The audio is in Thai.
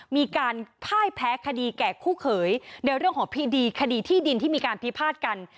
มีการพ่ายแพ้คดีแก่คู่เขยในเรื่องของพีดีคดีที่ดินที่มีการพิพาทกัน